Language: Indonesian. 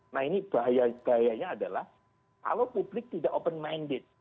nah ini bahayanya adalah kalau publik tidak open minded